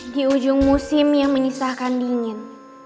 di ujung musim yang menyisahkan dingin